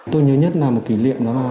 tôi nhớ nhất là một kỷ niệm đó